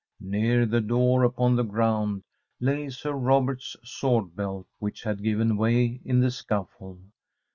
Near the door, upon the ground, lay Sir Robert's sword belt, which had given way in the scuffle.